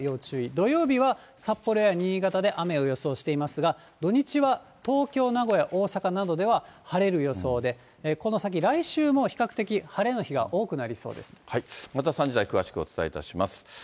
土曜日は、札幌や新潟で雨を予想していますが、土日は東京、名古屋、大阪などでは晴れる予想で、この先、来週も比較的、晴れの日が多くなりまた３時台、詳しくお伝えいたします。